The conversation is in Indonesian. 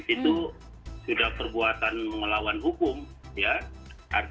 itu sudah perbuatan melakukan